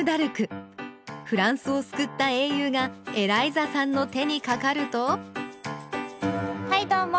フランスを救った英雄がエライザさんの手にかかるとはいどうも！